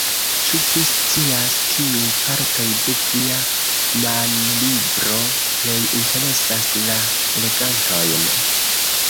Ĉu vi scias, kiuj partoj de via manlibro plej interesas la legantojn?